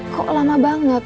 kok lama banget